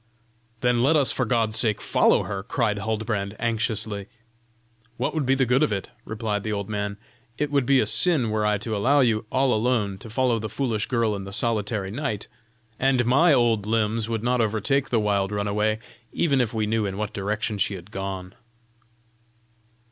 "Then let us for God's sake follow her," cried Huldbrand, anxiously. "What would be the good of it?" replied the old man. "It would be a sin were I to allow you, all alone, to follow the foolish girl in the solitary night, and my old limbs would not overtake the wild runaway, even if we knew in what direction she had gone."